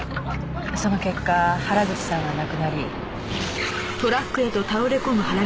その結果原口さんは亡くなり。